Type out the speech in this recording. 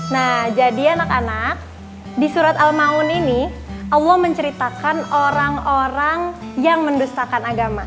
nah jadi anak anak di surat al mauun ⁇ ini allah menceritakan orang orang yang mendustakan agama